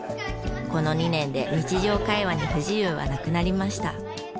この２年で日常会話に不自由はなくなりました。